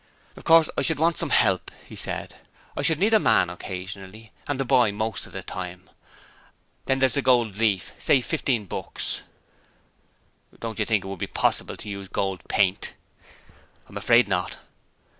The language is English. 'Of course I should want some help,' he said. 'I should need a man occasionally, and the boy most of the time. Then there's the gold leaf say, fifteen books.' 'Don't you think it would be possible to use gold paint?' 'I'm afraid not.'